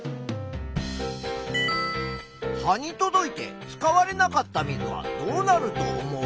葉に届いて使われなかった水はどうなると思う？